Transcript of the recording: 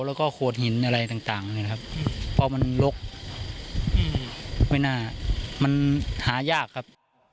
แล้วก็โขดหินอะไรต่างนะครับเพราะมันลกไม่น่ามันหายากครับ